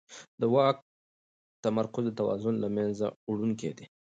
د واک تمرکز د توازن له منځه وړونکی دی